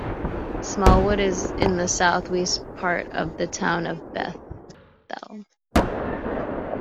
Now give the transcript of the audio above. Smallwood is in the southeast part of the Town of Bethel.